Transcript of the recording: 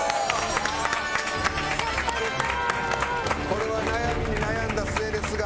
これは悩みに悩んだ末ですが。